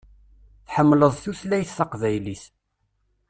Tḥemmleḍ tutlayt taqbaylit.